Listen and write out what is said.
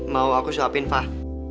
mau aku suapin fah